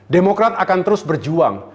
demokrat akan terus berjuang